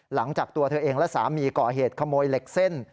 หลังจากตัวเธอเองและสามีก่อเหตุขโมยเหล็กเส้น